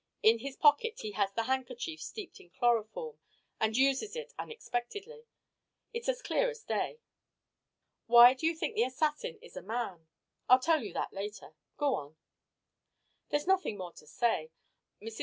In his pocket he has the handkerchief steeped in chloroform and uses it unexpectedly. It's as clear as day." "Why do you think the assassin is a man?" "I'll tell you that later. Go on." "There's nothing more to say. Mrs.